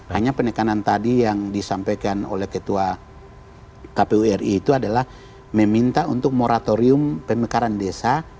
hanya penekanan tadi yang disampaikan oleh ketua kpu ri itu adalah meminta untuk moratorium pemekaran desa